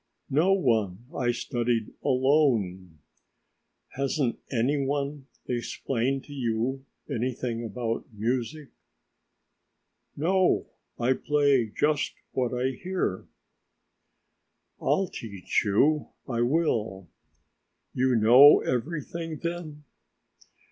"No one, I studied alone." "Hasn't any one explained to you anything about music?" "No, I play just what I hear." "I'll teach you, I will." "You know everything, then?"